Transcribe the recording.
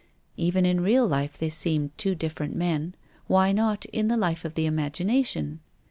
Even in real life they seemed two different men. Why not in the life of the imagination?